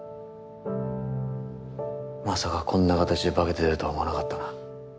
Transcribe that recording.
まさかこんな形で化けて出るとは思わなかったな。